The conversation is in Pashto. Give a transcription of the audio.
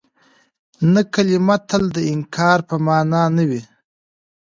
نه کلمه تل د انکار په مانا نه وي.